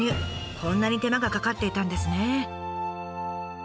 こんなに手間がかかっていたんですね。